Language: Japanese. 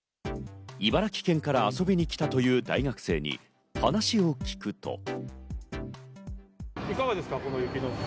茨城県から遊びに来たという大学生に話を聞くと。